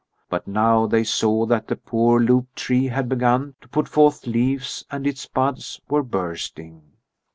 But now they saw that the poor lopped tree had begun to put forth leaves and its buds were bursting.